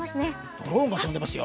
ドローンが飛んでますよ。